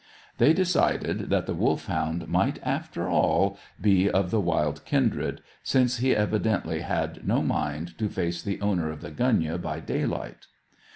They decided that the Wolfhound might, after all, be of the wild kindred, since he evidently had no mind to face the owner of the gunyah by daylight.